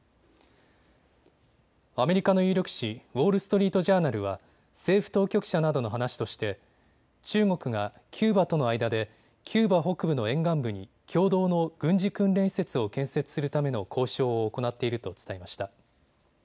アメリカの有力紙、ウォール・ストリート・ジャーナルは政府当局者などの話として中国がキューバとの間でキューバ北部の沿岸部に共同の軍事訓練施設を建設するための交渉を行っていると伝えました。